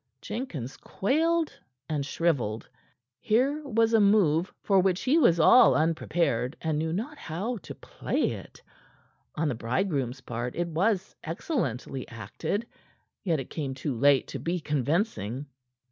Jenkins quailed and shriveled. Here was a move for which he was all unprepared, and knew not how to play to it. On the bridegroom's part it was excellently acted; yet it came too late to be convincing.